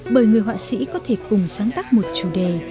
bởi người họa sĩ có thể cùng sáng tác một chủ đề